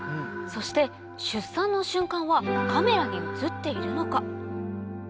そして出産の瞬間はカメラに写っているのか？